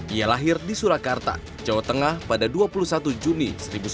ia lahir di surakarta jawa tengah pada dua puluh satu juni seribu sembilan ratus empat puluh